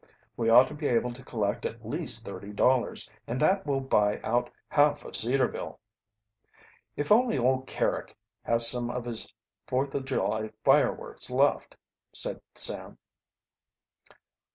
We ought to be able to collect at least thirty dollars, and that will buy out half of Cedarville." "If only old Carrick has some of his Fourth of July fireworks left," said Sam.